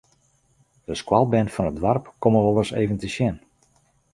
De skoalbern fan it doarp komme wolris even te sjen.